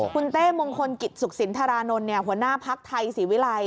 คุณเต้มงคลกิจสุขสินทรานนท์หัวหน้าภักดิ์ไทยศรีวิรัย